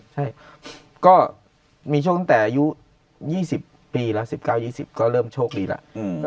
ใช่ก็มีช่วงตั้งแต่อายุ๒๐ปีแล้ว๑๙๒๐ก็เริ่มโชคดีแล้ว